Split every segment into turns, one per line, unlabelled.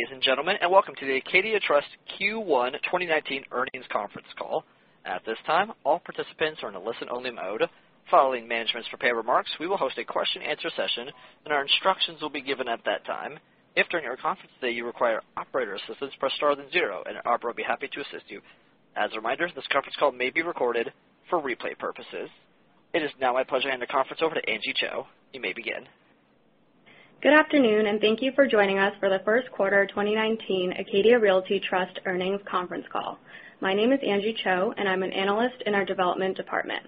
Ladies and gentlemen, welcome to the Acadia Realty Trust Q1 2019 earnings conference call. At this time, all participants are in a listen-only mode. Following management's prepared remarks, we will host a question and answer session. Our instructions will be given at that time. If, during our conference today, you require operator assistance, press star then zero, and an operator will be happy to assist you. As a reminder, this conference call may be recorded for replay purposes. It is now my pleasure to hand the conference over to Angie Cho. You may begin.
Good afternoon, thank you for joining us for the first quarter 2019 Acadia Realty Trust earnings conference call. My name is Angie Cho, I'm an analyst in our development department.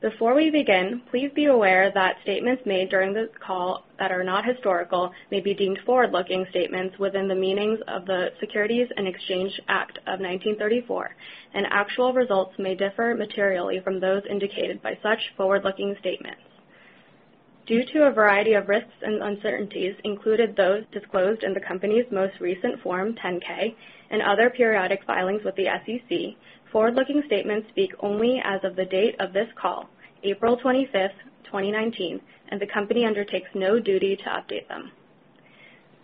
Before we begin, please be aware that statements made during this call that are not historical may be deemed forward-looking statements within the meanings of the Securities Exchange Act of 1934. Actual results may differ materially from those indicated by such forward-looking statements. Due to a variety of risks and uncertainties, included those disclosed in the company's most recent Form 10-K and other periodic filings with the SEC, forward-looking statements speak only as of the date of this call, April 25th, 2019. The company undertakes no duty to update them.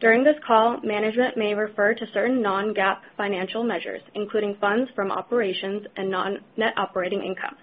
During this call, management may refer to certain non-GAAP financial measures, including funds from operations and net operating income.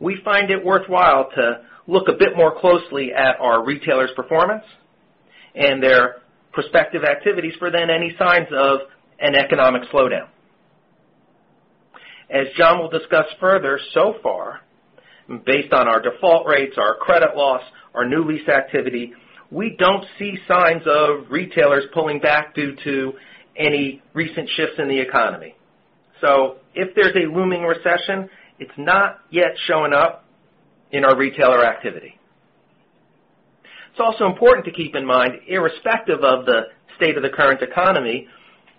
we find it worthwhile to look a bit more closely at our retailers' performance and their prospective activities for any signs of an economic slowdown. As John will discuss further, so far, based on our default rates, our credit loss, our new lease activity, we don't see signs of retailers pulling back due to any recent shifts in the economy. If there's a looming recession, it's not yet showing up in our retailer activity. It's also important to keep in mind, irrespective of the state of the current economy,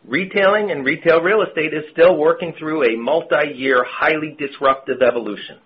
retailing and retail real estate is still working through a multi-year, highly disruptive evolution.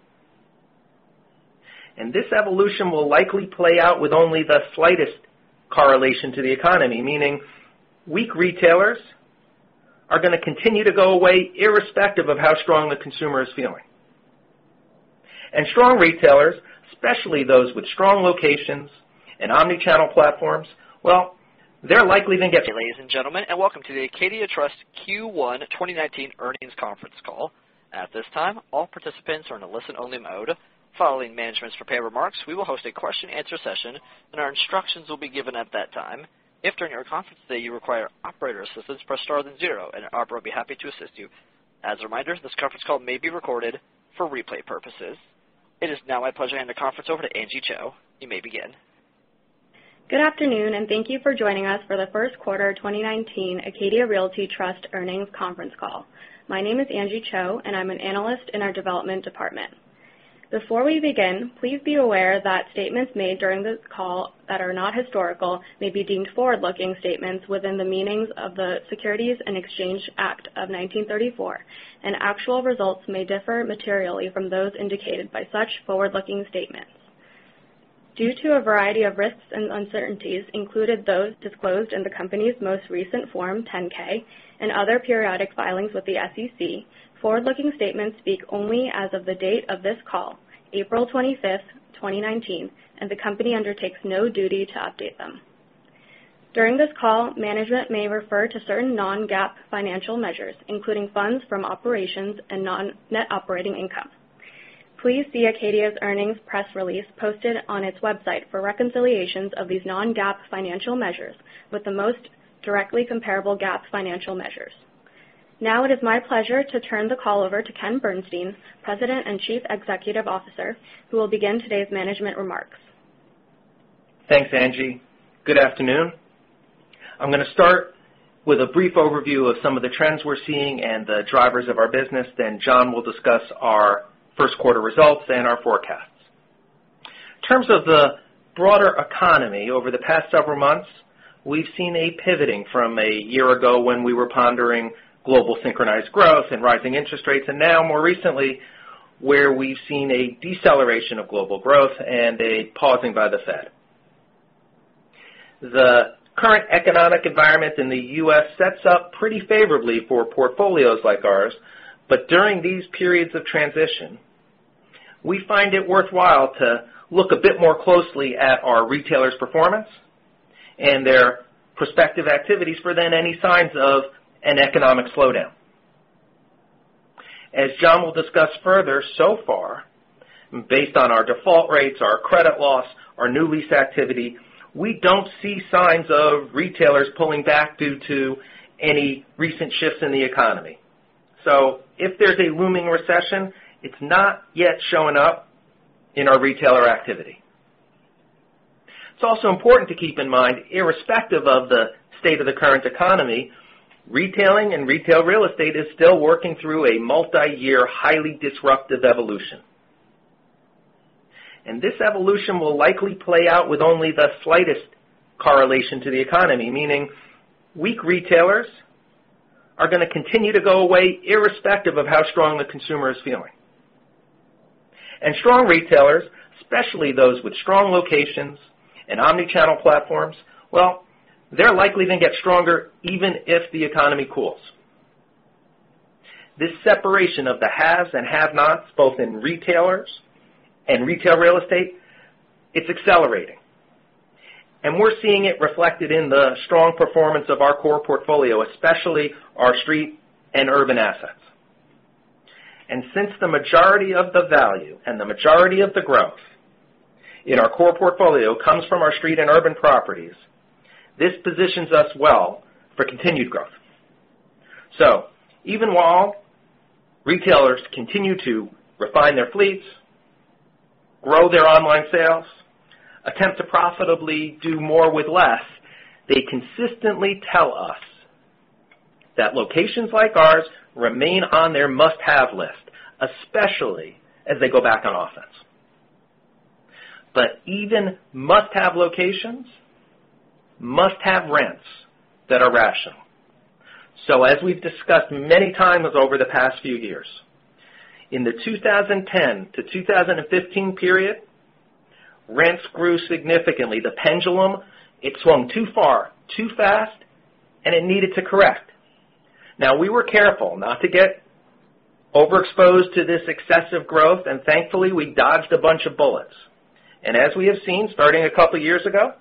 This evolution will likely play out with only the slightest correlation to the economy, meaning weak retailers are going to continue to go away irrespective of how strong the consumer is feeling. Strong retailers, especially those with strong locations and omni-channel platforms, well, they're likely to get stronger even if the economy cools. This separation of the haves and have-nots, both in retailers and retail real estate, it's accelerating. We're seeing it reflected in the strong performance of our core portfolio, especially our street and urban assets. Since the majority of the value and the majority of the growth in our core portfolio comes from our street and urban properties, this positions us well for continued growth. Even while retailers continue to refine their fleets, grow their online sales, attempt to profitably do more with less, they consistently tell us that locations like ours remain on their must-have list, especially as they go back on offense. Even must-have locations must have rents that are rational. As we've discussed many times over the past few years, in the 2010 to 2015 period, rents grew significantly. The pendulum, it swung too far, too fast, and it needed to correct. Now, we were careful not to get overexposed to this excessive growth, and thankfully, we dodged a bunch of bullets. As we have seen, starting a couple years ago,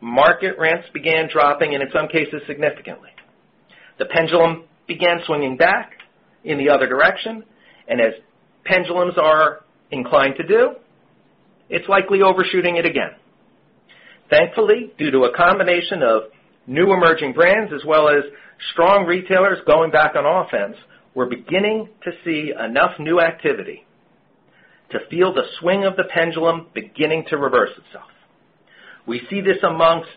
market rents began dropping, and in some cases, significantly. The pendulum began swinging back in the other direction, and as pendulums are inclined to do, it's likely overshooting it again. Thankfully, due to a combination of new emerging brands as well as strong retailers going back on offense, we're beginning to see enough new activity to feel the swing of the pendulum beginning to reverse itself. We see this amongst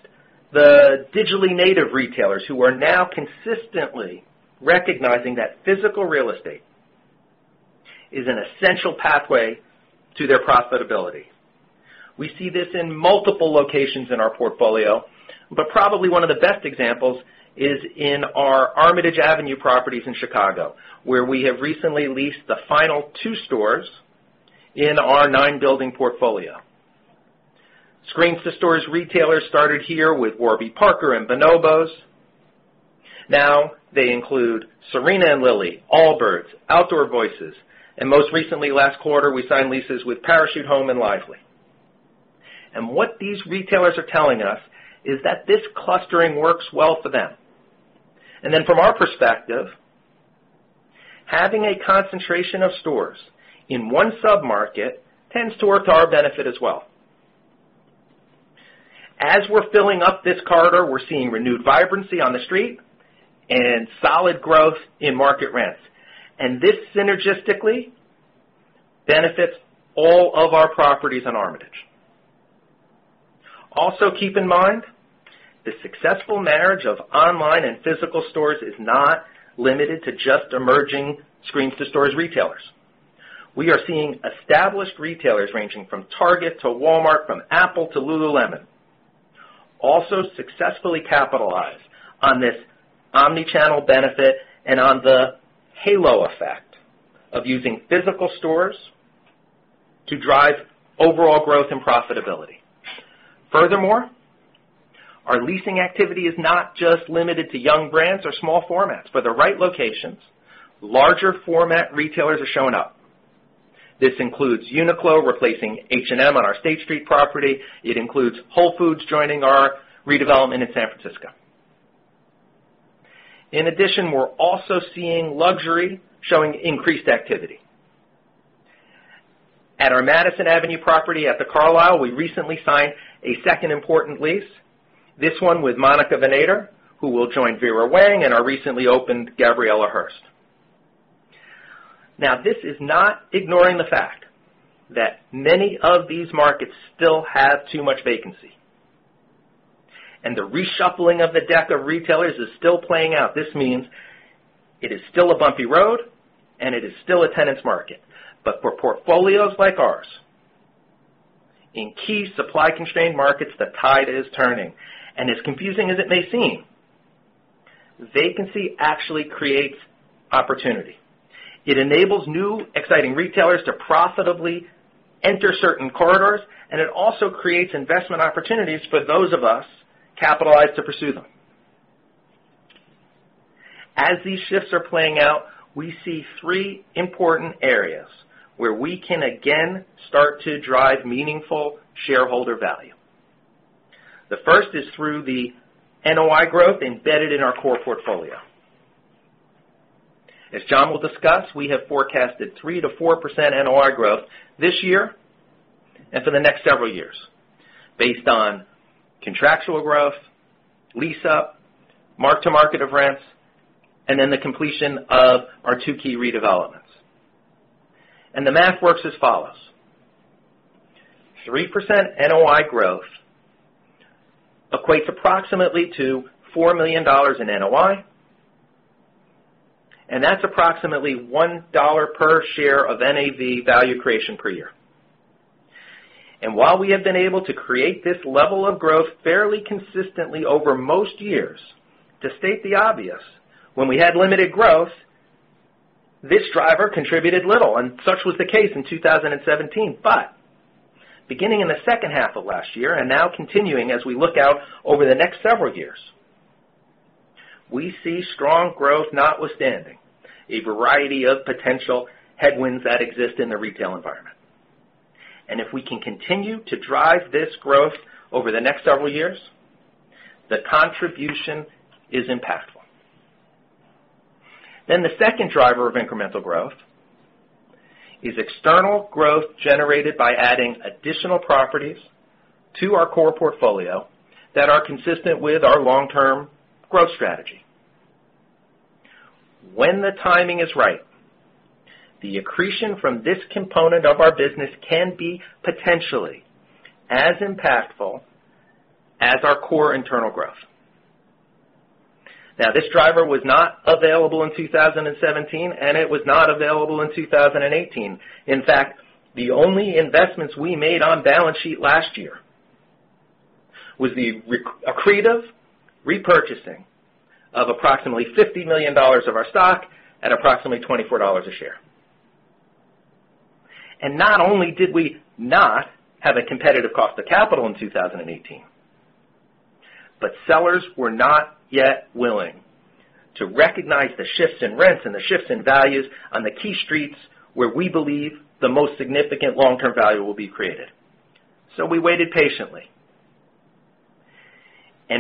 the digitally native retailers who are now consistently recognizing that physical real estate is an essential pathway to their profitability. We see this in multiple locations in our portfolio, but probably one of the best examples is in our Armitage Avenue properties in Chicago, where we have recently leased the final two stores in our nine-building portfolio. Screens-to-stores retailers started here with Warby Parker and Bonobos. Now they include Serena & Lily, Allbirds, Outdoor Voices, and most recently, last quarter, we signed leases with Parachute Home and Lively. What these retailers are telling us is that this clustering works well for them. From our perspective, having a concentration of stores in one sub-market tends to work to our benefit as well. As we're filling up this corridor, we're seeing renewed vibrancy on the street and solid growth in market rents. This synergistically benefits all of our properties on Armitage. Also, keep in mind, the successful marriage of online and physical stores is not limited to just emerging screens-to-stores retailers. We are seeing established retailers ranging from Target to Walmart, from Apple to Lululemon, also successfully capitalize on this omni-channel benefit and on the halo effect of using physical stores to drive overall growth and profitability. Furthermore, our leasing activity is not just limited to young brands or small formats. For the right locations, larger format retailers are showing up. This includes Uniqlo replacing H&M on our State Street property. It includes Whole Foods joining our redevelopment in San Francisco. In addition, we're also seeing luxury showing increased activity. At our Madison Avenue property at The Carlyle, we recently signed a second important lease. This one with Monica Vinader, who will join Vera Wang in our recently opened Gabriela Hearst. This is not ignoring the fact that many of these markets still have too much vacancy, and the reshuffling of the deck of retailers is still playing out. This means it is still a bumpy road, and it is still a tenant's market. For portfolios like ours, in key supply-constrained markets, the tide is turning. As confusing as it may seem, vacancy actually creates opportunity. It enables new, exciting retailers to profitably enter certain corridors, and it also creates investment opportunities for those of us capitalized to pursue them. As these shifts are playing out, we see three important areas where we can again start to drive meaningful shareholder value. The first is through the NOI growth embedded in our core portfolio. As John will discuss, we have forecasted 3%-4% NOI growth this year and for the next several years based on contractual growth, lease-up, mark-to-market of rents, and then the completion of our two key redevelopments. The math works as follows. 3% NOI growth equates approximately to $4 million in NOI, and that's approximately $1 per share of NAV value creation per year. While we have been able to create this level of growth fairly consistently over most years, to state the obvious, when we had limited growth, this driver contributed little, and such was the case in 2017. Beginning in the second half of last year, and now continuing as we look out over the next several years, we see strong growth notwithstanding, a variety of potential headwinds that exist in the retail environment. If we can continue to drive this growth over the next several years, the contribution is impactful. The second driver of incremental growth is external growth generated by adding additional properties to our core portfolio that are consistent with our long-term growth strategy. When the timing is right, the accretion from this component of our business can be potentially as impactful as our core internal growth. This driver was not available in 2017, and it was not available in 2018. In fact, the only investments we made on balance sheet last year was the accretive repurchasing of approximately $50 million of our stock at approximately $24 a share. Not only did we not have a competitive cost of capital in 2018, sellers were not yet willing to recognize the shifts in rents and the shifts in values on the key streets where we believe the most significant long-term value will be created. We waited patiently,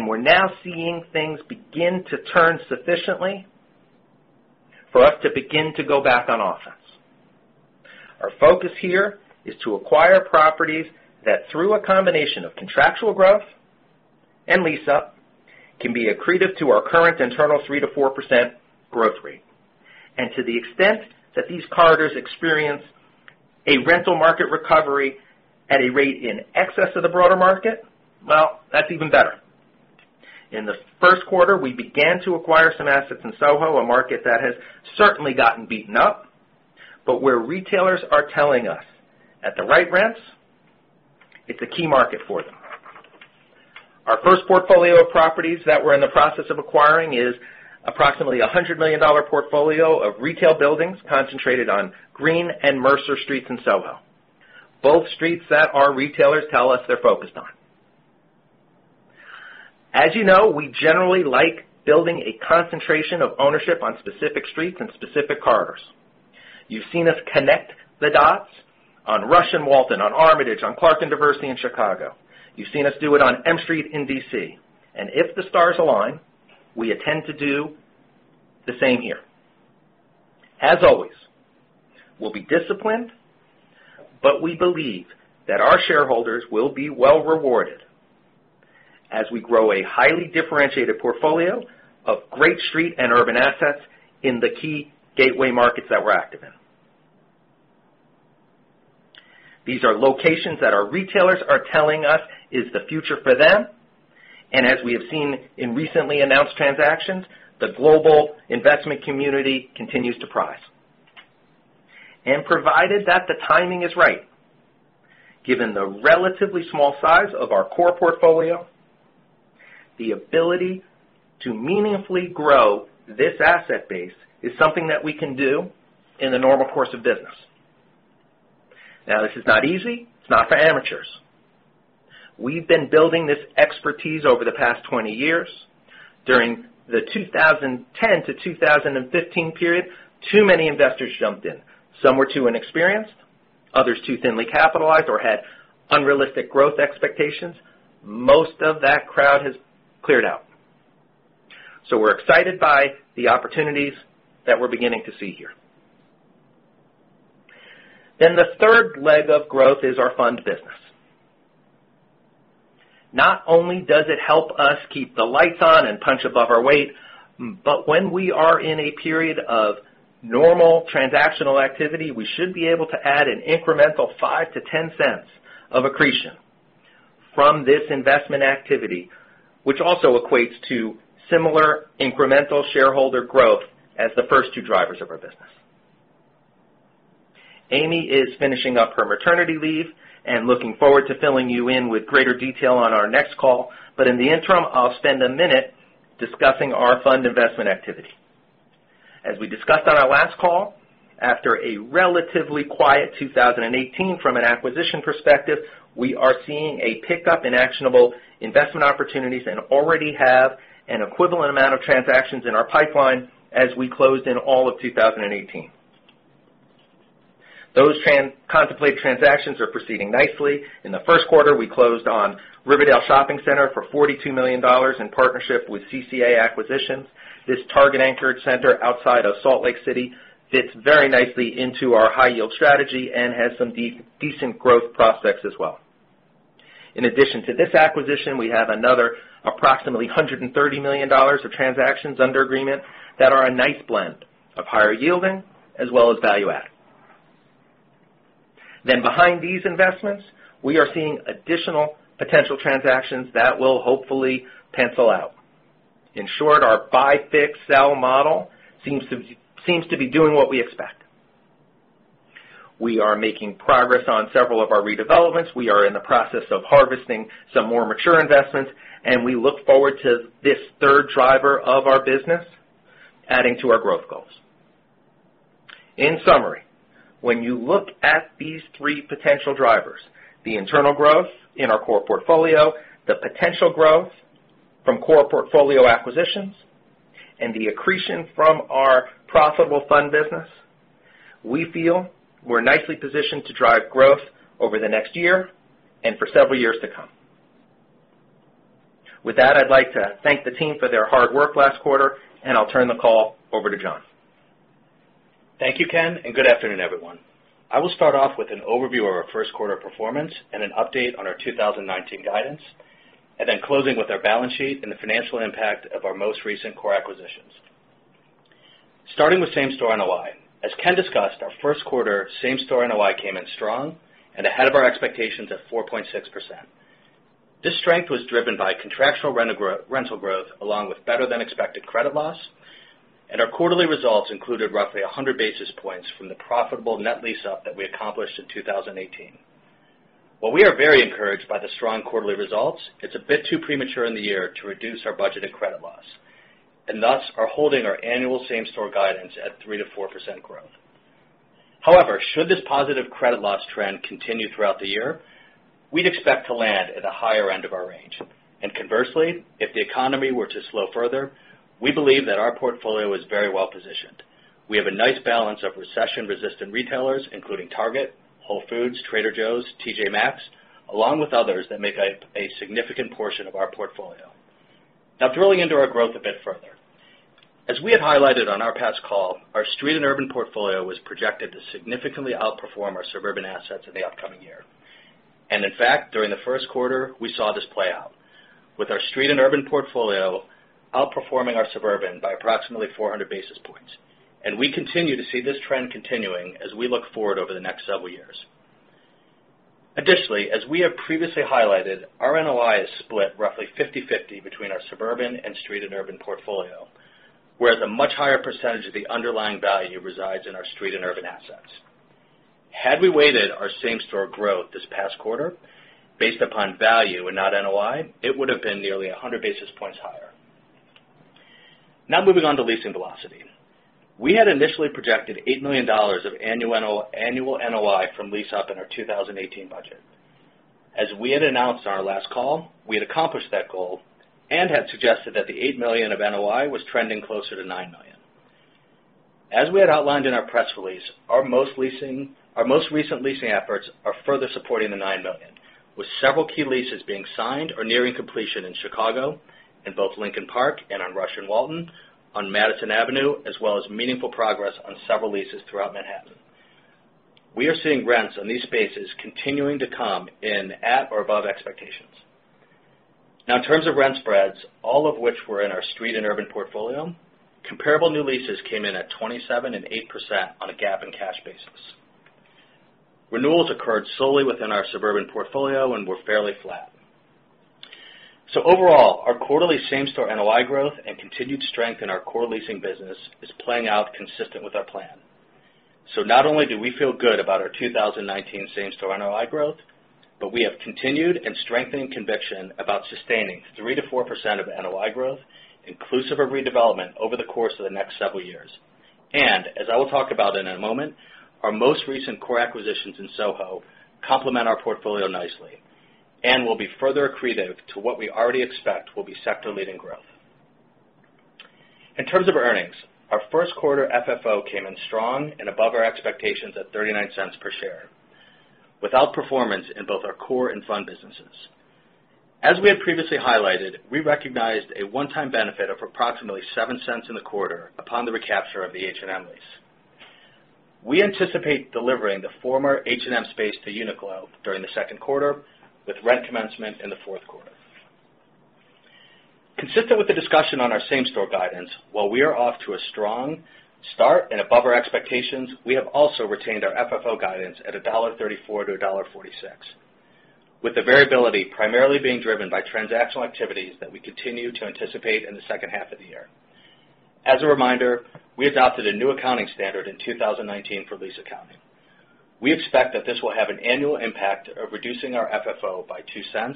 we're now seeing things begin to turn sufficiently for us to begin to go back on offense. Our focus here is to acquire properties that, through a combination of contractual growth and lease-up, can be accretive to our current internal 3%-4% growth rate. To the extent that these corridors experience a rental market recovery at a rate in excess of the broader market, well, that's even better. In the first quarter, we began to acquire some assets in SoHo, a market that has certainly gotten beaten up, where retailers are telling us, at the right rents, it's a key market for them. Our first portfolio of properties that we're in the process of acquiring is approximately $100 million portfolio of retail buildings concentrated on Greene and Mercer Streets in SoHo, both streets that our retailers tell us they're focused on. As you know, we generally like building a concentration of ownership on specific streets and specific corridors. You've seen us connect the dots on Rush and Walton, on Armitage, on Clark and Diversey in Chicago. You've seen us do it on M Street in D.C. If the stars align, we intend to do the same here. As always, we'll be disciplined, we believe that our shareholders will be well-rewarded as we grow a highly differentiated portfolio of great street and urban assets in the key gateway markets that we're active in. These are locations that our retailers are telling us is the future for them. As we have seen in recently announced transactions, the global investment community continues to price. Provided that the timing is right, given the relatively small size of our core portfolio, the ability to meaningfully grow this asset base is something that we can do in the normal course of business. This is not easy. It's not for amateurs. We've been building this expertise over the past 20 years. During the 2010-2015 period, too many investors jumped in. Some were too inexperienced, others too thinly capitalized or had unrealistic growth expectations. Most of that crowd has cleared out. We're excited by the opportunities that we're beginning to see here. The third leg of growth is our fund business. Not only does it help us keep the lights on and punch above our weight, but when we are in a period of normal transactional activity, we should be able to add an incremental $0.05-$0.10 of accretion from this investment activity, which also equates to similar incremental shareholder growth as the first two drivers of our business. Amy is finishing up her maternity leave and looking forward to filling you in with greater detail on our next call. In the interim, I'll spend a minute discussing our fund investment activity. As we discussed on our last call, after a relatively quiet 2018 from an acquisition perspective, we are seeing a pickup in actionable investment opportunities and already have an equivalent amount of transactions in our pipeline as we closed in all of 2018. Those contemplated transactions are proceeding nicely. In the first quarter, we closed on Riverdale Crossing for $42 million in partnership with CCA Acquisitions. This Target-anchored center outside of Salt Lake City fits very nicely into our high-yield strategy and has some decent growth prospects as well. In addition to this acquisition, we have another approximately $130 million of transactions under agreement that are a nice blend of higher yielding as well as value add. Behind these investments, we are seeing additional potential transactions that will hopefully pencil out. In short, our buy/fix/sell model seems to be doing what we expect. We are making progress on several of our redevelopments. We are in the process of harvesting some more mature investments. We look forward to this third driver of our business, adding to our growth goals. In summary, when you look at these three potential drivers, the internal growth in our core portfolio, the potential growth from core portfolio acquisitions, the accretion from our profitable fund business, we feel we're nicely positioned to drive growth over the next year and for several years to come. With that, I'd like to thank the team for their hard work last quarter. I'll turn the call over to John.
Thank you, Ken. Good afternoon, everyone. I will start off with an overview of our first quarter performance, an update on our 2019 guidance, closing with our balance sheet and the financial impact of our most recent core acquisitions. Starting with same-store NOI. As Ken discussed, our first quarter same-store NOI came in strong and ahead of our expectations of 4.6%. This strength was driven by contractual rental growth along with better-than-expected credit loss. Our quarterly results included roughly 100 basis points from the profitable net lease-up that we accomplished in 2018. While we are very encouraged by the strong quarterly results, it's a bit too premature in the year to reduce our budgeted credit loss. Thus are holding our annual same-store guidance at 3%-4% growth. Should this positive credit loss trend continue throughout the year, we'd expect to land at the higher end of our range. Conversely, if the economy were to slow further, we believe that our portfolio is very well-positioned. We have a nice balance of recession-resistant retailers, including Target, Whole Foods, Trader Joe's, TJ Maxx, along with others that make up a significant portion of our portfolio. Drilling into our growth a bit further. As we had highlighted on our past call, our street and urban portfolio was projected to significantly outperform our suburban assets in the upcoming year. In fact, during the first quarter, we saw this play out with our street and urban portfolio outperforming our suburban by approximately 400 basis points. We continue to see this trend continuing as we look forward over the next several years. As we have previously highlighted, our NOI is split roughly 50/50 between our suburban and street and urban portfolio, whereas a much higher percentage of the underlying value resides in our street and urban assets. Had we weighted our same-store growth this past quarter based upon value and not NOI, it would have been nearly 100 basis points higher. Moving on to leasing velocity. We had initially projected $8 million of annual NOI from lease-up in our 2018 budget. As we had announced on our last call, we had accomplished that goal and had suggested that the $8 million of NOI was trending closer to $9 million. As we had outlined in our press release, our most recent leasing efforts are further supporting the $9 million, with several key leases being signed or nearing completion in Chicago in both Lincoln Park and on Rush and Walton, on Madison Avenue, as well as meaningful progress on several leases throughout Manhattan. We are seeing rents on these spaces continuing to come in at or above expectations. In terms of rent spreads, all of which were in our street and urban portfolio, comparable new leases came in at 27% and 8% on a GAAP and cash basis. Renewals occurred solely within our suburban portfolio and were fairly flat. Overall, our quarterly same-store NOI growth and continued strength in our core leasing business is playing out consistent with our plan. Not only do we feel good about our 2019 same-store NOI growth, but we have continued and strengthening conviction about sustaining 3% to 4% of NOI growth inclusive of redevelopment over the course of the next several years. As I will talk about in a moment, our most recent core acquisitions in SoHo complement our portfolio nicely and will be further accretive to what we already expect will be sector-leading growth. In terms of earnings, our first quarter FFO came in strong and above our expectations at $0.39 per share without performance in both our core and fund businesses. As we had previously highlighted, we recognized a one-time benefit of approximately $0.07 in the quarter upon the recapture of the H&M lease. We anticipate delivering the former H&M space to Uniqlo during the second quarter, with rent commencement in the fourth quarter. Consistent with the discussion on our same-store guidance, while we are off to a strong start and above our expectations, we have also retained our FFO guidance at $1.34-$1.46, with the variability primarily being driven by transactional activities that we continue to anticipate in the second half of the year. As a reminder, we adopted a new accounting standard in 2019 for lease accounting. We expect that this will have an annual impact of reducing our FFO by $0.02,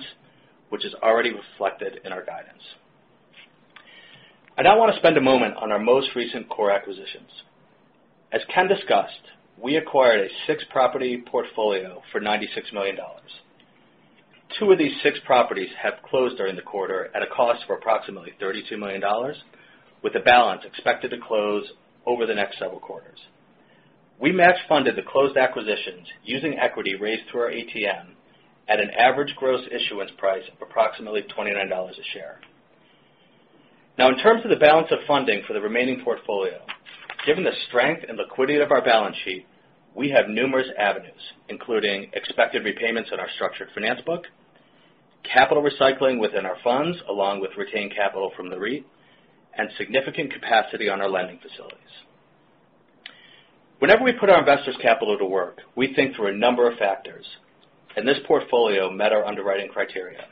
which is already reflected in our guidance. I now want to spend a moment on our most recent core acquisitions. As Ken discussed, we acquired a six-property portfolio for $96 million. Two of these six properties have closed during the quarter at a cost of approximately $32 million, with the balance expected to close over the next several quarters. In terms of the balance of funding for the remaining portfolio, given the strength and liquidity of our balance sheet, we have numerous avenues, including expected repayments on our structured finance book, capital recycling within our funds, along with retained capital from the REIT, and significant capacity on our lending facilities. Whenever we put our investors' capital to work, we think through a number of factors, and this portfolio met our underwriting criteria.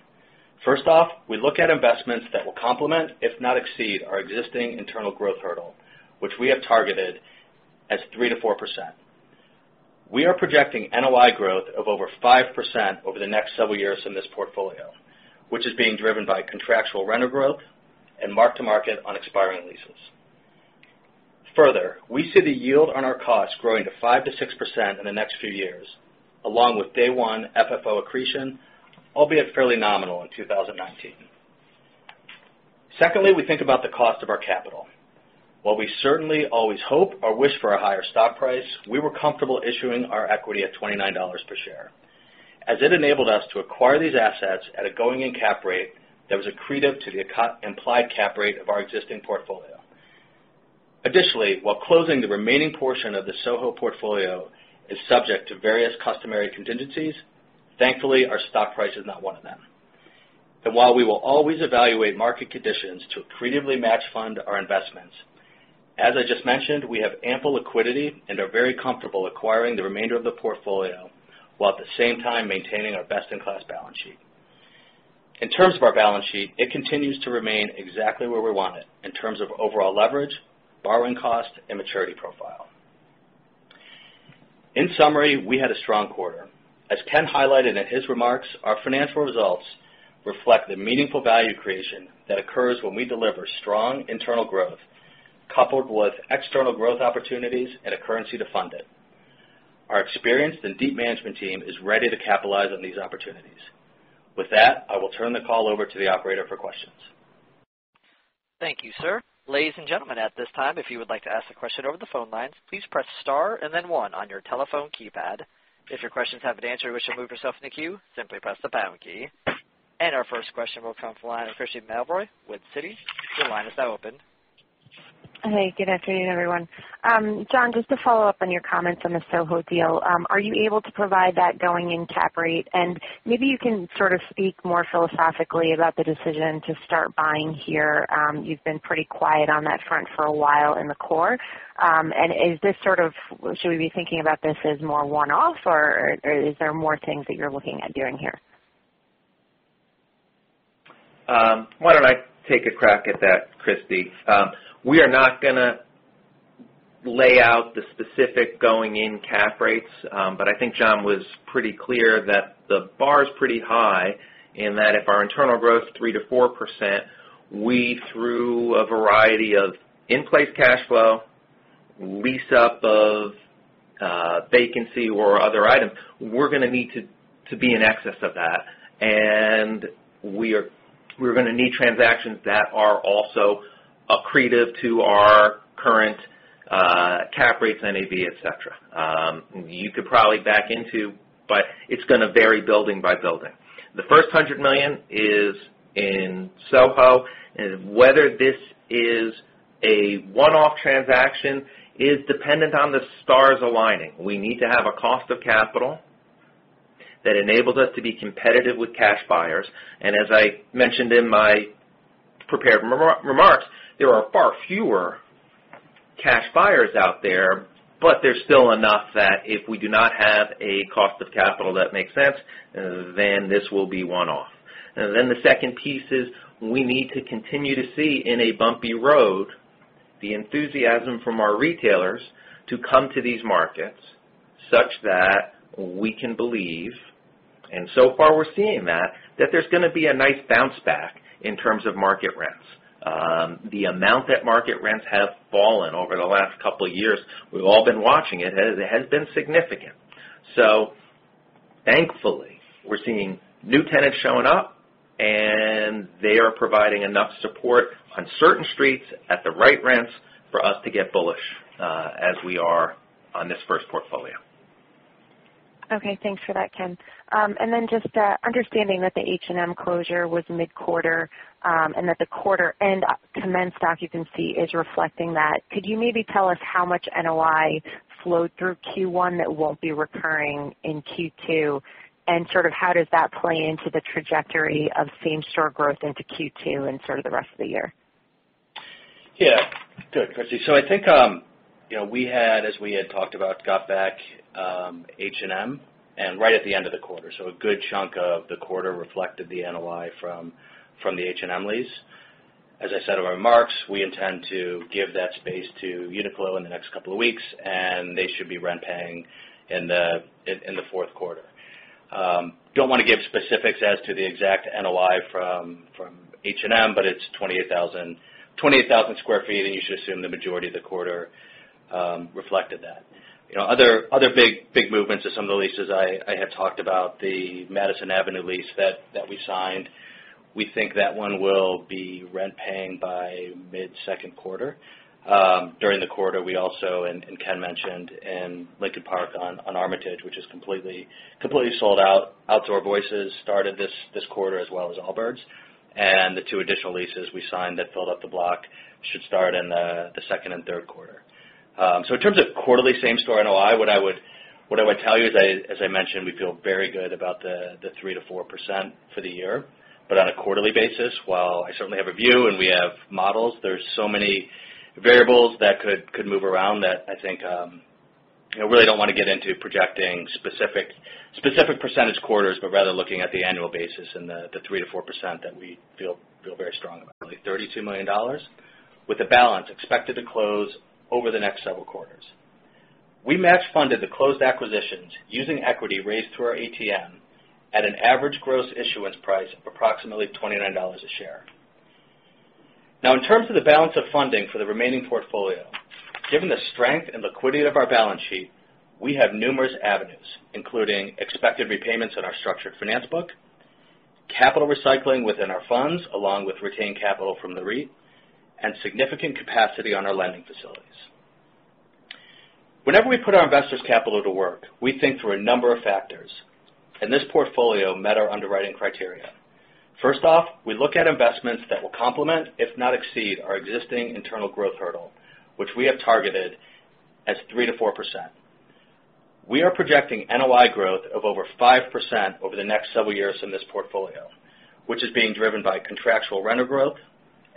First off, we look at investments that will complement, if not exceed, our existing internal growth hurdle, which we have targeted as 3%-4%. We are projecting NOI growth of over 5% over the next several years in this portfolio, which is being driven by contractual rental growth and mark-to-market on expiring leases. We see the yield on our cost growing to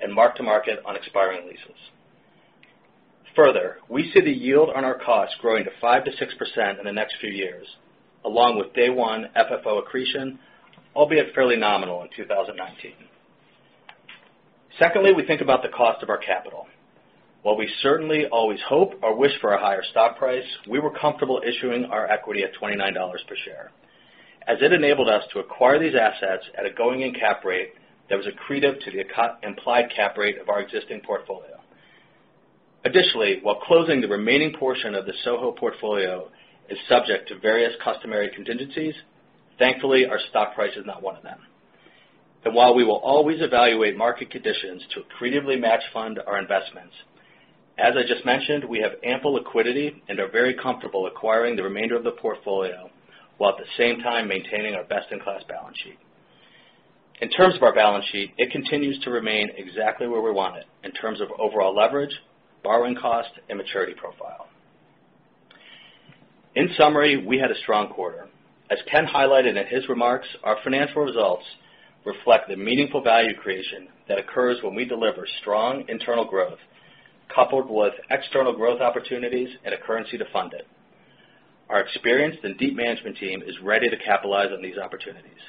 in the next few years, along with day one FFO accretion, albeit fairly nominal in 2019. Secondly, we think about the cost of our capital. While we certainly always hope or wish for a higher stock price, we were comfortable issuing our equity at $29 per share, as it enabled us to acquire these assets at a going-in cap rate that was accretive to the implied cap rate of our existing portfolio. Additionally, while closing the remaining portion of the SoHo portfolio is subject to various customary contingencies, thankfully our stock price is not one of them. While we will always evaluate market conditions to accretively match-fund our investments, as I just mentioned, we have ample liquidity and are very comfortable acquiring the remainder of the portfolio, while at the same time maintaining our best-in-class balance sheet. In terms of our balance sheet, it continues to remain exactly where we want it in terms of overall leverage, borrowing cost, and maturity profile. In summary, we had a strong quarter. As Ken highlighted in his remarks, our financial results reflect the meaningful value creation that occurs when we deliver strong internal growth coupled with external growth opportunities and a currency to fund it. Our experienced and deep management team is ready to capitalize on these opportunities.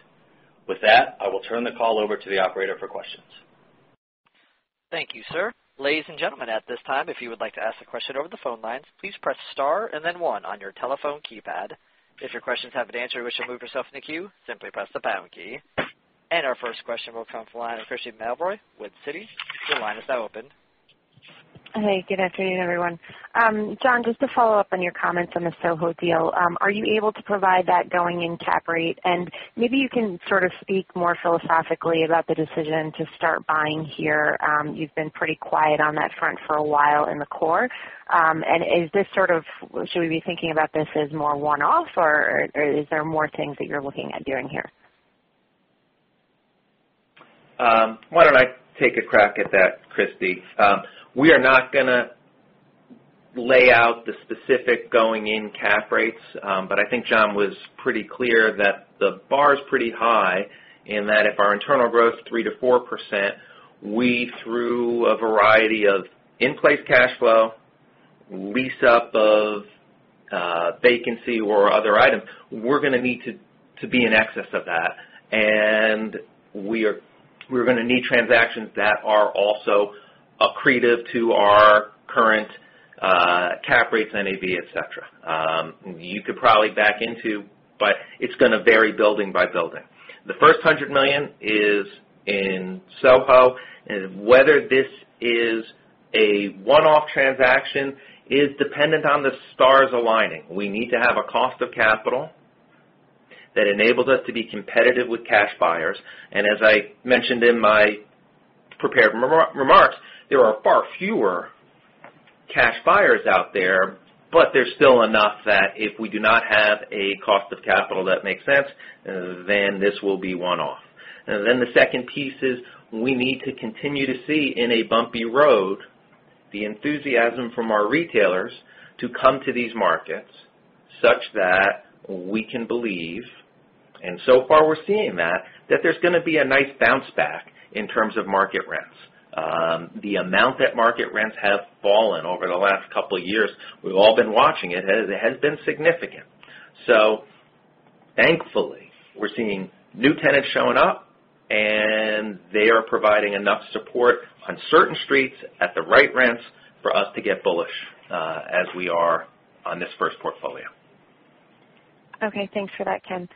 With that, I will turn the call over to the operator for questions.
Thank you, sir. Ladies and gentlemen, at this time, if you would like to ask a question over the phone lines, please press star and then one on your telephone keypad. If your questions have been answered and you wish to move yourself in the queue, simply press the pound key. Our first question will come from the line of Craig Mailman with Citi with Citi. Your line is now open.
Hey, good afternoon, everyone. John, just to follow up on your comments on the SoHo deal. Are you able to provide that going-in cap rate? Maybe you can sort of speak more philosophically about the decision to start buying here. You've been pretty quiet on that front for a while in the core. Should we be thinking about this as more one-off, or is there more things that you're looking at doing here?
Why don't I take a crack at that, Craig? We are not going to lay out the specific going-in cap rates. I think John was pretty clear that the bar is pretty high in that if our internal growth 3%-4%, we through a variety of in-place cash flow, lease-up of vacancy or other items, we're going to need to be in excess of that. We're going to need transactions that are also accretive to our current cap rates, NAV, et cetera. You could probably back into, but it's going to vary building by building. The first $100 million is in SoHo, and whether this is a one-off transaction is dependent on the stars aligning. We need to have a cost of capital that enables us to be competitive with cash buyers. As I mentioned in my prepared remarks, there are far fewer cash buyers out there. There's still enough that if we do not have a cost of capital that makes sense, then this will be one-off. The second piece is we need to continue to see in a bumpy road, the enthusiasm from our retailers to come to these markets, such that we can believe, and so far we're seeing that, there's going to be a nice bounce back in terms of market rents. The amount that market rents have fallen over the last couple of years, we've all been watching it, and it has been significant. Thankfully, we're seeing new tenants showing up, and they are providing enough support on certain streets at the right rents for us to get bullish as we are on this first portfolio.
Okay. Thanks for that, Ken.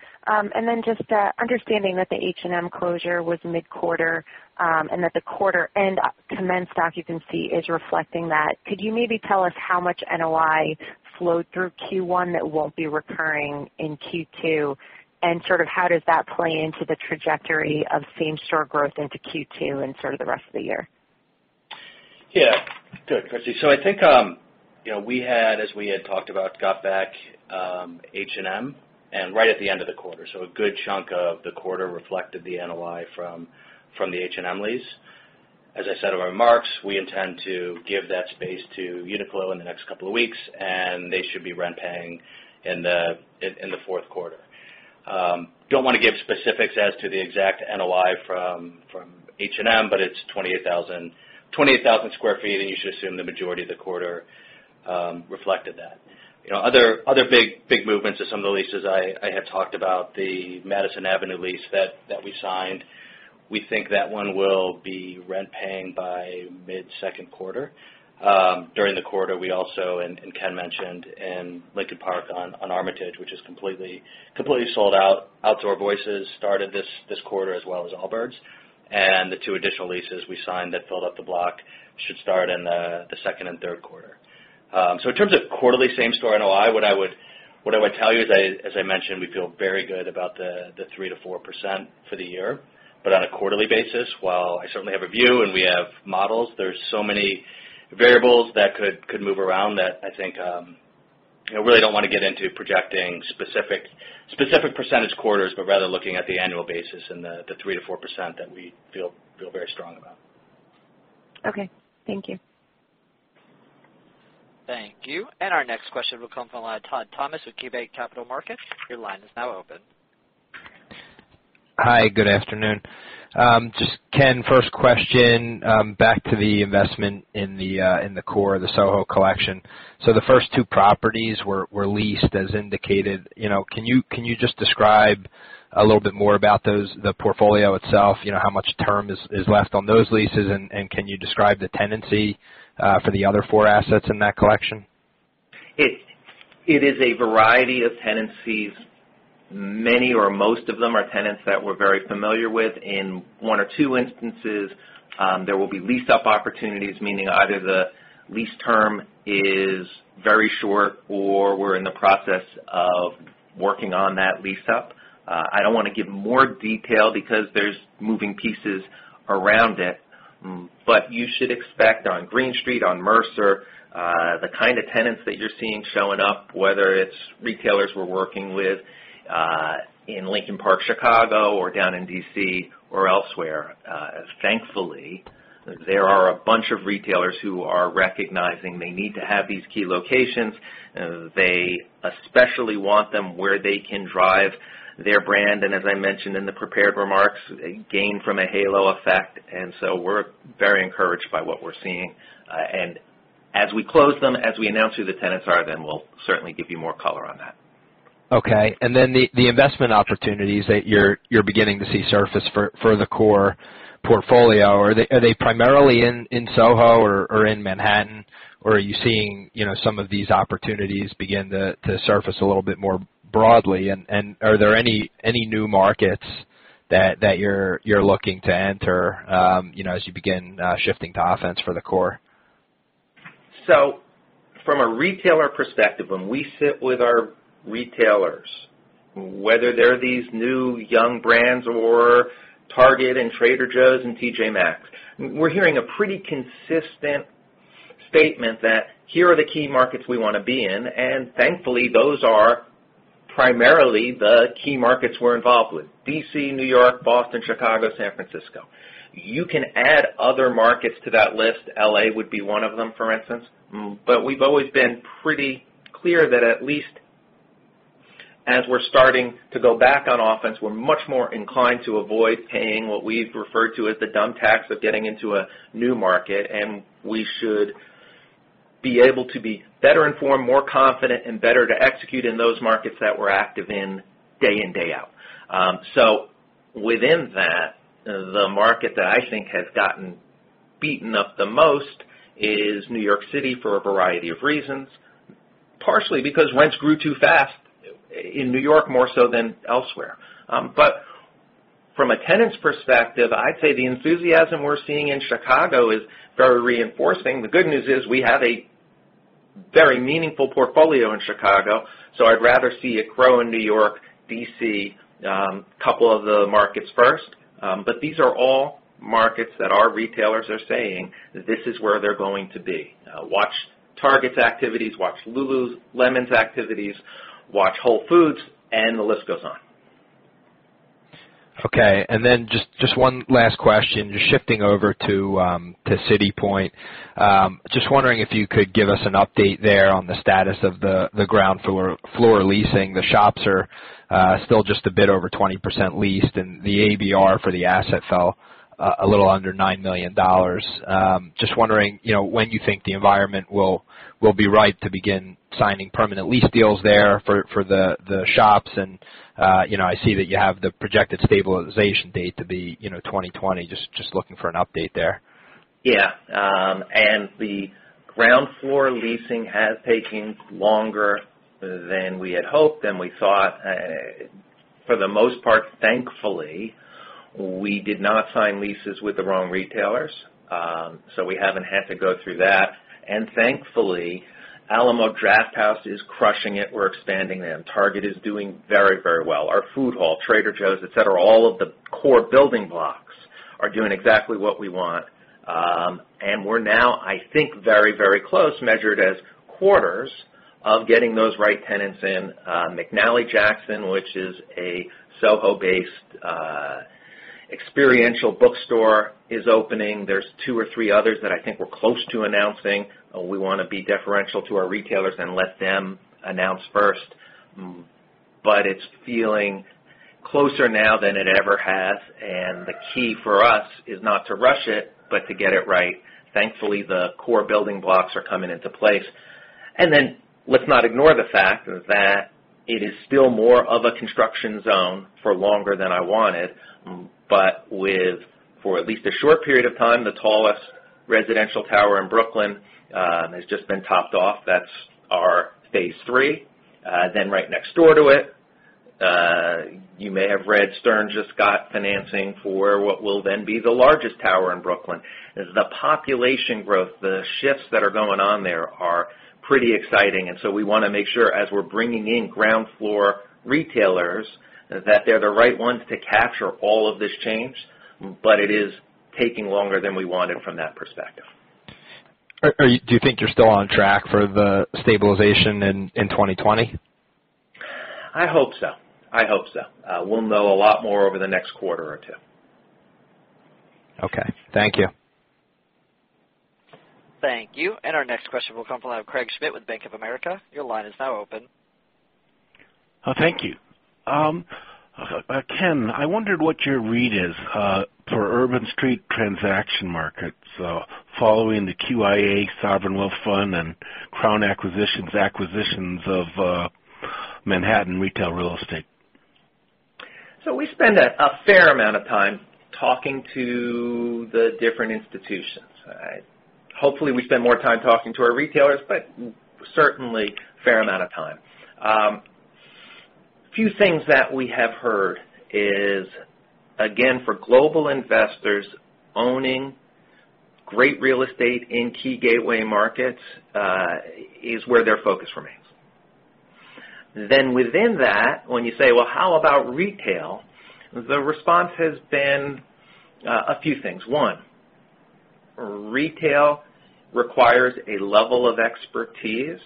Just understanding that the H&M closure was mid-quarter and that the quarter end commenced occupancy is reflecting that, could you maybe tell us how much NOI flowed through Q1 that won't be recurring in Q2? How does that play into the trajectory of same-store growth into Q2 and the rest of the year?
Yeah. Good, Kristy. I think we had, as we had talked about, got back H&M right at the end of the quarter. A good chunk of the quarter reflected the NOI from the H&M lease. As I said in my remarks, we intend to give that space to Uniqlo in the next couple of weeks, and they should be rent paying in the fourth quarter. Don't want to give specifics as to the exact NOI from H&M, but it's 28,000 sq ft, and you should assume the majority of the quarter reflected that. Other big movements are some of the leases I have talked about, the Madison Avenue lease that we signed. We think that one will be rent paying by mid-second quarter. During the quarter, we also, Ken mentioned, in Lincoln Park on Armitage, which is completely sold out. Outdoor Voices started this quarter as well as Allbirds, and the two additional leases we signed that filled up the block should start in the second and third quarter.
Thank you. Our next question will come from Todd Thomas with KeyBanc Capital Markets. Your line is now open.
Hi, good afternoon. Just, Ken, first question, back to the investment in the CORE, the SoHo collection. The first two properties were leased as indicated. Can you just describe a little bit more about the portfolio itself, how much term is left on those leases, and can you describe the tenancy for the other four assets in that collection?
It is a variety of tenancies. Many or most of them are tenants that we're very familiar with. In one or two instances, there will be lease-up opportunities, meaning either the lease term is very short or we're in the process of working on that lease-up. I don't want to give more detail because there's moving pieces around it. You should expect on Greene Street, on Mercer, the kind of tenants that you're seeing showing up, whether it's retailers we're working with in Lincoln Park, Chicago, or down in D.C. or elsewhere. Thankfully, there are a bunch of retailers who are recognizing they need to have these key locations. They especially want them where they can drive their brand, and as I mentioned in the prepared remarks, gain from a halo effect. We're very encouraged by what we're seeing. As we close them, as we announce who the tenants are, we'll certainly give you more color on that.
Okay. The investment opportunities that you're beginning to see surface for the CORE portfolio, are they primarily in Soho or in Manhattan, or are you seeing some of these opportunities begin to surface a little bit more broadly? Are there any new markets that you're looking to enter as you begin shifting to offense for the CORE?
From a retailer perspective, when we sit with our retailers, whether they're these new young brands or Target and Trader Joe's and TJ Maxx, we're hearing a pretty consistent statement that, here are the key markets we want to be in, and thankfully, those are primarily the key markets we're involved with, D.C., New York, Boston, Chicago, San Francisco. You can add other markets to that list. L.A. would be one of them, for instance, we've always been pretty clear that at least as we're starting to go back on offense, we're much more inclined to avoid paying what we've referred to as the dumb tax of getting into a new market, we should be able to be better informed, more confident, and better to execute in those markets that we're active in day in, day out. Within that, the market that I think has gotten beaten up the most is New York City for a variety of reasons, partially because rents grew too fast in New York, more so than elsewhere. From a tenant's perspective, I'd say the enthusiasm we're seeing in Chicago is very reinforcing. The good news is we have a very meaningful portfolio in Chicago, I'd rather see it grow in New York, D.C., couple of the markets first. These are all markets that our retailers are saying this is where they're going to be. Watch Target's activities, watch Lululemon's activities, watch Whole Foods, the list goes on.
Just one last question. Just shifting over to City Point. Just wondering if you could give us an update there on the status of the ground floor leasing. The shops are still just a bit over 20% leased, the ABR for the asset fell a little under $9 million. Just wondering when you think the environment will be right to begin signing permanent lease deals there for the shops. I see that you have the projected stabilization date to be 2020. Just looking for an update there.
The ground floor leasing has taken longer than we had hoped and we thought. For the most part, thankfully, we did not sign leases with the wrong retailers, we haven't had to go through that. Thankfully, Alamo Drafthouse is crushing it. We're expanding them. Target is doing very, very well. Our food hall, Trader Joe's, et cetera, all of the core building blocks are doing exactly what we want. We're now, I think, very, very close, measured as quarters, of getting those right tenants in. McNally Jackson, which is a SoHo-based experiential bookstore, is opening. There's two or three others that I think we're close to announcing. We want to be deferential to our retailers and let them announce first. It's feeling closer now than it ever has, the key for us is not to rush it, but to get it right. Thankfully, the core building blocks are coming into place. Let's not ignore the fact that it is still more of a construction zone for longer than I wanted, with, for at least a short period of time, the tallest residential tower in Brooklyn has just been topped off. That's our phase 3. Then right next door to it, you may have read, Stern just got financing for what will then be the largest tower in Brooklyn. As the population growth, the shifts that are going on there are pretty exciting, we want to make sure, as we're bringing in ground floor retailers, that they're the right ones to capture all of this change, it is taking longer than we wanted from that perspective.
Do you think you're still on track for the stabilization in 2020?
I hope so. We'll know a lot more over the next quarter or two.
Okay. Thank you.
Thank you. Our next question will come from Craig Schmidt with Bank of America. Your line is now open.
Thank you. Ken, I wondered what your read is for urban street transaction markets following the QIA Sovereign Wealth Fund and Crown Acquisitions acquisitions of Manhattan retail real estate.
We spend a fair amount of time talking to the different institutions. Hopefully, we spend more time talking to our retailers, but certainly a fair amount of time. A few things that we have heard is, again, for global investors, owning great real estate in key gateway markets, is where their focus remains. Within that, when you say, "Well, how about retail?" The response has been a few things. One, retail requires a level of expertise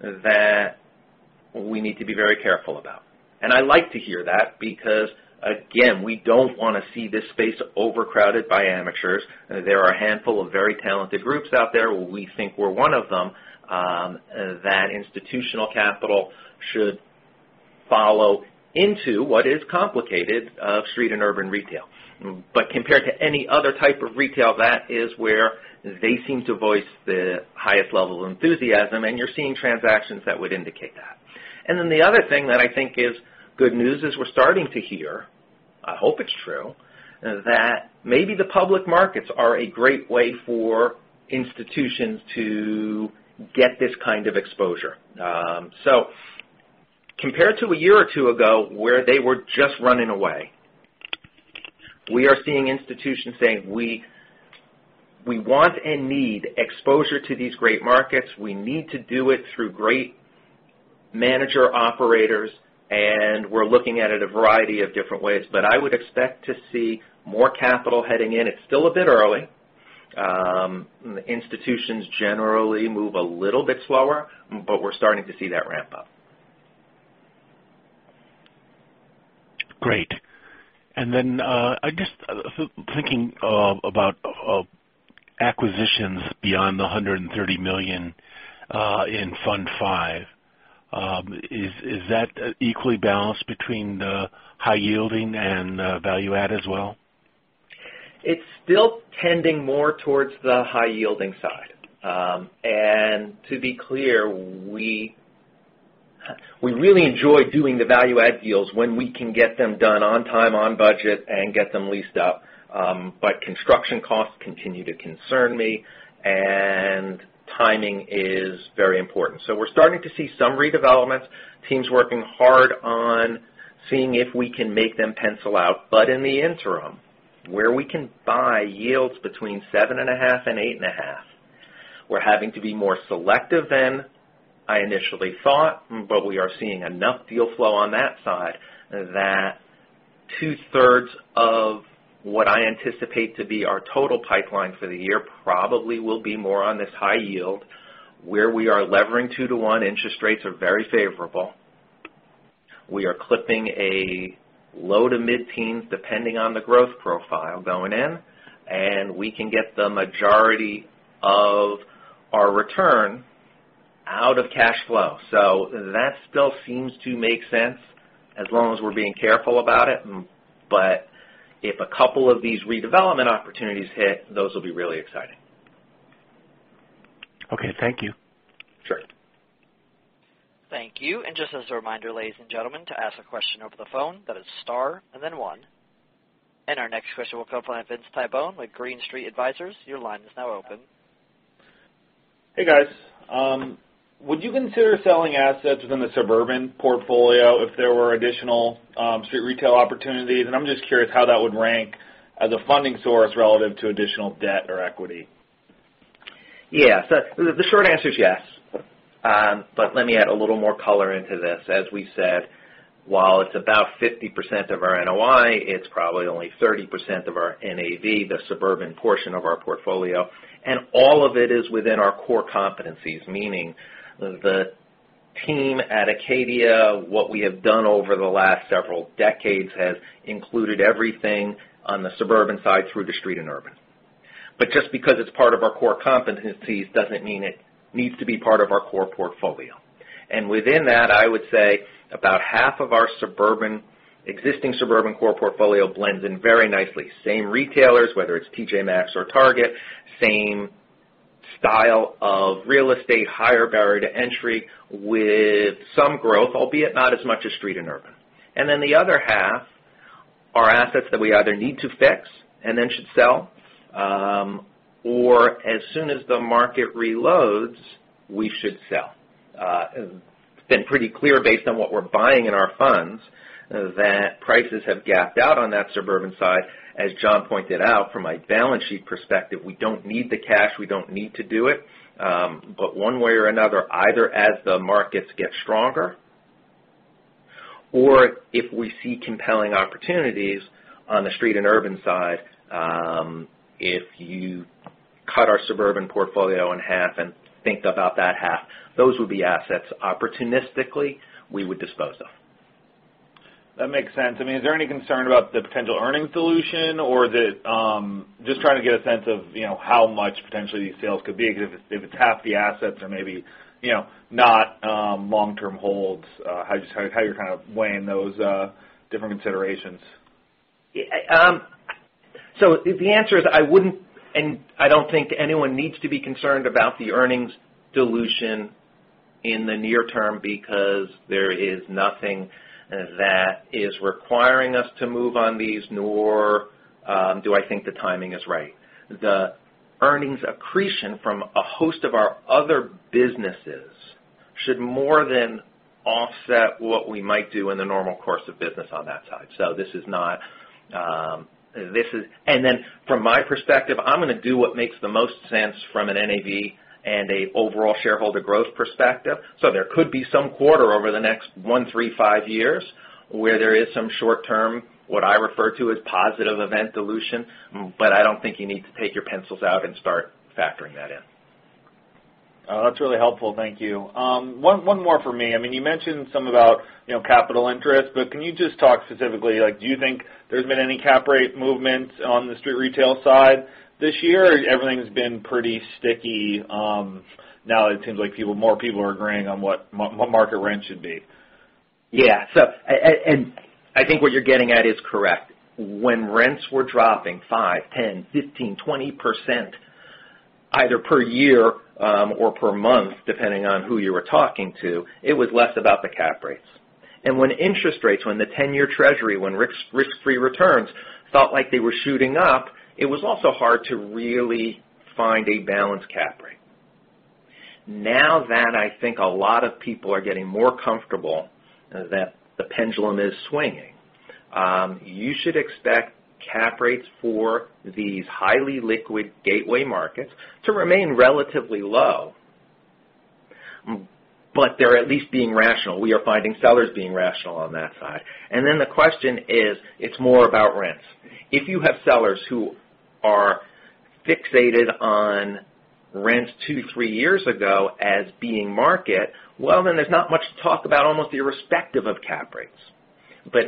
that we need to be very careful about. I like to hear that because, again, we don't want to see this space overcrowded by amateurs. There are a handful of very talented groups out there. We think we're one of them, that institutional capital should follow into what is complicated of street and urban retail. Compared to any other type of retail, that is where they seem to voice the highest level of enthusiasm, and you're seeing transactions that would indicate that. The other thing that I think is good news is we're starting to hear, I hope it's true, that maybe the public markets are a great way for institutions to get this kind of exposure. Compared to a year or two ago where they were just running away, we are seeing institutions saying, "We want and need exposure to these great markets. We need to do it through great manager operators, and we're looking at it a variety of different ways." I would expect to see more capital heading in. It's still a bit early. Institutions generally move a little bit slower, but we're starting to see that ramp up.
Great. I guess, thinking about acquisitions beyond the $130 million in Fund V, is that equally balanced between the high yielding and value add as well?
It's still tending more towards the high-yielding side. To be clear, we really enjoy doing the value-add deals when we can get them done on time, on budget, and get them leased up. Construction costs continue to concern me, and timing is very important. We're starting to see some redevelopments, teams working hard on seeing if we can make them pencil out. In the interim, where we can buy yields between seven and a half and eight and a half, we're having to be more selective than I initially thought, but we are seeing enough deal flow on that side that two-thirds of what I anticipate to be our total pipeline for the year probably will be more on this high yield, where we are levering 2 to 1. Interest rates are very favorable. We are clipping a low-to-mid teens, depending on the growth profile going in, and we can get the majority of our return out of cash flow. That still seems to make sense as long as we're being careful about it. If a couple of these redevelopment opportunities hit, those will be really exciting.
Okay, thank you.
Sure.
Thank you. Just as a reminder, ladies and gentlemen, to ask a question over the phone, that is star and then one. Our next question will come from Vince Tibone with Green Street Advisors. Your line is now open.
Hey, guys. Would you consider selling assets within the suburban portfolio if there were additional street retail opportunities? I'm just curious how that would rank as a funding source relative to additional debt or equity.
Yeah. The short answer is yes. Let me add a little more color into this. As we said, while it's about 50% of our NOI, it's probably only 30% of our NAV, the suburban portion of our portfolio, and all of it is within our core competencies, meaning the team at Acadia, what we have done over the last several decades has included everything on the suburban side through to street and urban. Just because it's part of our core competencies doesn't mean it needs to be part of our core portfolio. Within that, I would say about half of our existing suburban core portfolio blends in very nicely. Same retailers, whether it's TJ Maxx or Target, same style of real estate, higher barrier to entry with some growth, albeit not as much as street and urban. The other half are assets that we either need to fix and then should sell, or as soon as the market reloads, we should sell. It's been pretty clear based on what we're buying in our funds, that prices have gapped out on that suburban side. As John pointed out, from a balance sheet perspective, we don't need the cash, we don't need to do it. One way or another, either as the markets get stronger or if we see compelling opportunities on the street and urban side, if you cut our suburban portfolio in half and think about that half, those would be assets, opportunistically, we would dispose of.
That makes sense. Is there any concern about the potential earnings dilution? Just trying to get a sense of how much potentially these sales could be, because if it's half the assets or maybe not long-term holds, how you're kind of weighing those different considerations.
The answer is I wouldn't, and I don't think anyone needs to be concerned about the earnings dilution in the near term because there is nothing that is requiring us to move on these, nor do I think the timing is right. The earnings accretion from a host of our other businesses should more than offset what we might do in the normal course of business on that side. From my perspective, I'm going to do what makes the most sense from an NAV and a overall shareholder growth perspective. There could be some quarter over the next one, three, five years where there is some short-term, what I refer to as positive event dilution. I don't think you need to take your pencils out and start factoring that in.
That's really helpful. Thank you. One more from me. You mentioned some about capital interest, but can you just talk specifically, do you think there's been any cap rate movement on the street retail side this year? Everything's been pretty sticky. Now it seems like more people are agreeing on what market rent should be.
I think what you're getting at is correct. When rents were dropping five, 10, 15, 20%, either per year or per month, depending on who you were talking to, it was less about the cap rates. When interest rates, when the 10-year treasury, when risk-free returns felt like they were shooting up, it was also hard to really find a balanced cap rate. Now that I think a lot of people are getting more comfortable that the pendulum is swinging, you should expect cap rates for these highly liquid gateway markets to remain relatively low, but they're at least being rational. We are finding sellers being rational on that side. The question is, it's more about rents. If you have sellers who are fixated on rents two, three years ago as being market, well, then there's not much to talk about, almost irrespective of cap rates.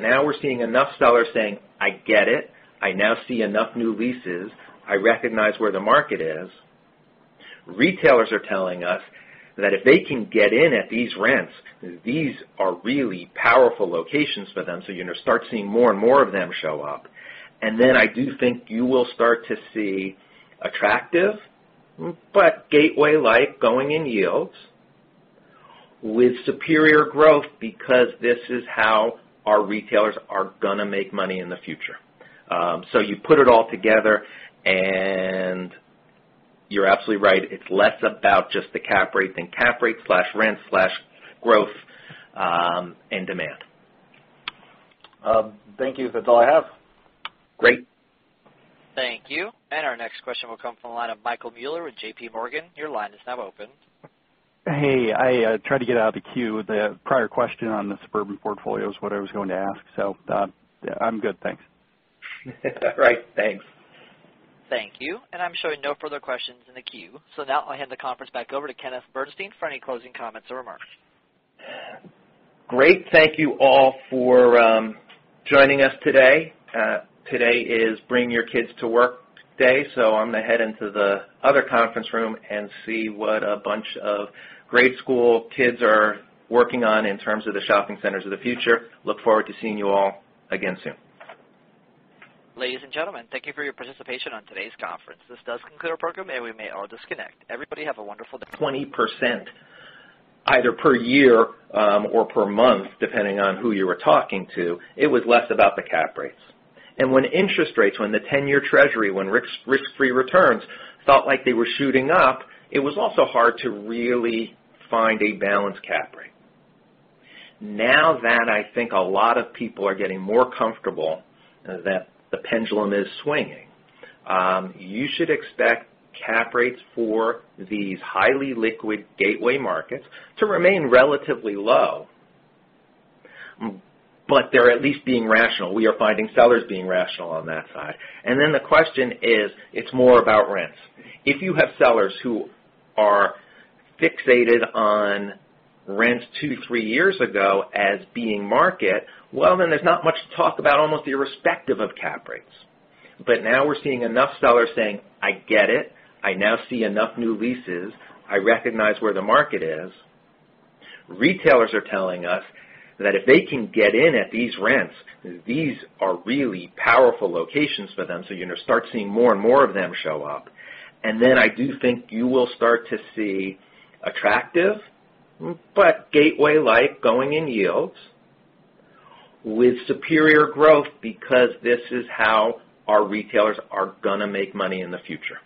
Now we're seeing enough sellers saying, "I get it. I now see enough new leases. I recognize where the market is." Retailers are telling us that if they can get in at these rents, these are really powerful locations for them, so you're going to start seeing more and more of them show up. I do think you will start to see attractive but gateway-like going in yields with superior growth because this is how our retailers are gonna make money in the future. You put it all together, and you're absolutely right. It's less about just the cap rate than cap rate/rent/growth and demand.
Thank you. That's all I have.
Great.
Thank you. Our next question will come from the line of Michael Mueller with JPMorgan. Your line is now open.
Hey, I tried to get out of the queue. The prior question on the suburban portfolio is what I was going to ask. I'm good. Thanks.
All right. Thanks.
Thank you. I'm showing no further questions in the queue. I hand the conference back over to Kenneth Bernstein for any closing comments or remarks.
Great. Thank you all for joining us today. Today is Bring Your Kids to Work Day, I'm gonna head into the other conference room and see what a bunch of grade school kids are working on in terms of the shopping centers of the future. Look forward to seeing you all again soon.
Ladies and gentlemen, thank you for your participation on today's conference. This does conclude our program, and we may all disconnect. Everybody have a wonderful day.
20% either per year or per month, depending on who you were talking to, it was less about the cap rates. When interest rates, when the 10-year treasury, when risk-free returns felt like they were shooting up, it was also hard to really find a balanced cap rate. Now that I think a lot of people are getting more comfortable that the pendulum is swinging, you should expect cap rates for these highly liquid gateway markets to remain relatively low, but they're at least being rational. We are finding sellers being rational on that side. Then the question is, it's more about rents. If you have sellers who are fixated on rents two, three years ago as being market, well, then there's not much to talk about, almost irrespective of cap rates. Now we're seeing enough sellers saying, "I get it. I now see enough new leases. I recognize where the market is. Retailers are telling us that if they can get in at these rents, these are really powerful locations for them, you're going to start seeing more and more of them show up. I do think you will start to see attractive but gateway-like going and yields with superior growth because this is how our retailers are going to make money in the future.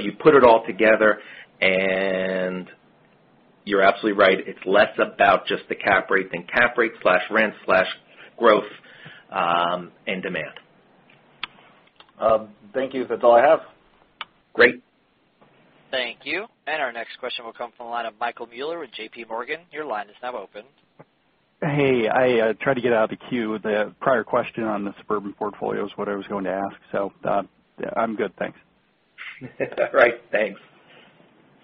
You put it all together, and you're absolutely right, it's less about just the cap rate than cap rate/rent/growth and demand.
Thank you. That's all I have.
Great.
Thank you. Our next question will come from the line of Michael Mueller with JPMorgan. Your line is now open.
Hey. I tried to get out of the queue. The prior question on the suburban portfolio is what I was going to ask. Done. I'm good, thanks.
All right. Thanks.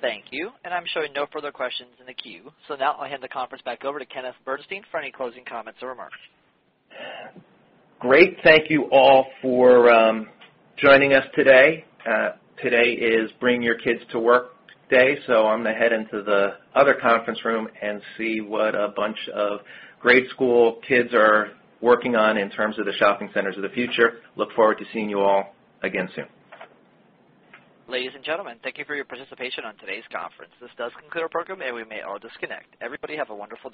Thank you. I'm showing no further questions in the queue. Now I'll hand the conference back over to Kenneth Bernstein for any closing comments or remarks.
Great. Thank you all for joining us today. Today is Bring Your Kids to Work Day. I'm gonna head into the other conference room and see what a bunch of grade school kids are working on in terms of the shopping centers of the future. Look forward to seeing you all again soon.
Ladies and gentlemen, thank you for your participation on today's conference. This does conclude our program, and we may all disconnect. Everybody have a wonderful day.